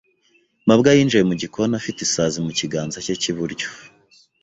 mabwa yinjiye mu gikoni afite isazi mu kiganza cye cy'iburyo.